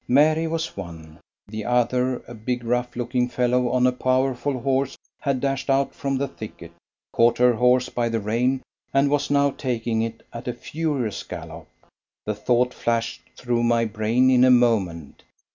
Mary was one; the other, a big rough looking fellow, on a powerful horse, had dashed out from the thicket, caught her horse by the rein, and was now taking it at a furious gallop. The thought flashed through my brain in a moment.